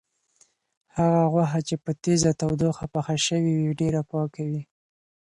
هغه غوښه چې په تیزه تودوخه پخه شوې وي، ډېره پاکه وي.